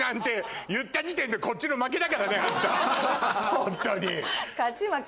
ホントに！